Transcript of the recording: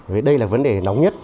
vậy đây là vấn đề nóng nhất